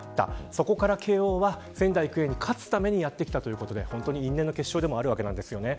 そこから慶応は仙台育英に勝つためにやってきたということで因縁の決勝でもあるわけですよね。